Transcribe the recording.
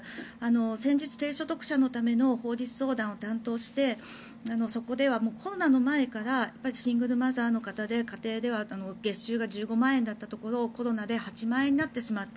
先日、低所得者のための法律相談を担当してそこではコロナの前からシングルマザーの方で家庭では月収が１５万円だったところをコロナで８万円になってしまった。